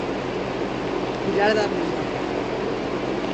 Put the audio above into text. Pilar Darriba.